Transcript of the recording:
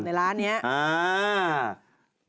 ในร้านเนี่ย